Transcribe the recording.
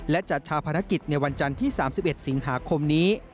และจัดชาวภารกิจในวันจันทร์ที่๓๑สิงหาคมนี้